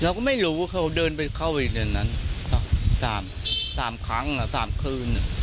เราก็ไม่รู้ว่าเขาเดินไปเข้าไปเดือนนั้น๓ครั้ง๓คืน